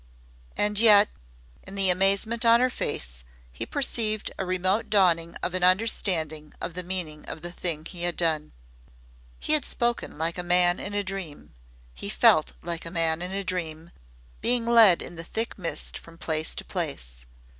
And yet in the amazement on her face he perceived a remote dawning of an understanding of the meaning of the thing he had done. He had spoken like a man in a dream. He felt like a man in a dream, being led in the thick mist from place to place.